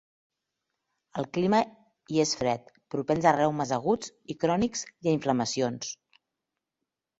El clima hi és fred, propens a reumes aguts i crònics i a inflamacions.